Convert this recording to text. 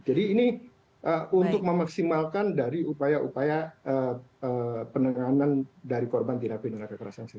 jadi ini untuk memaksimalkan dari upaya upaya penenangan dari korban terhadap penyakit kerasan saksi